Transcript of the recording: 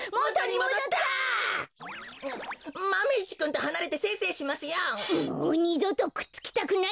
もう２どとくっつきたくないね！